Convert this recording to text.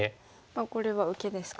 これは受けですか。